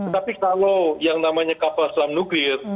tapi kalau yang namanya kapal selam nuklir